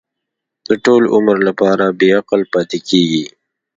د ټول عمر لپاره بې عقل پاتې کېږي.